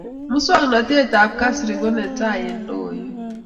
muswognatet ab kasri ko netai eng' logoiwek